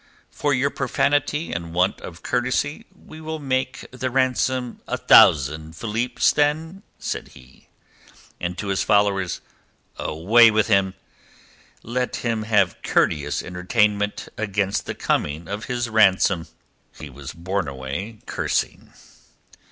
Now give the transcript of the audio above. "For your profanity and want of courtesy we will make the ransom a thousand philips, then," said he. And to his followers—"Away with him! Let him have courteous entertainment against the coming of his ransom." He was borne away cursing.